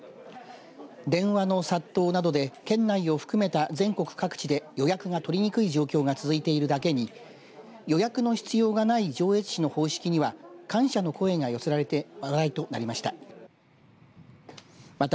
電話の殺到などで県内を含めた全国各地で予約が取りにくい状況が続いているだけに予約の必要がない上越市の方式には感謝の声が寄せられて話題となりました。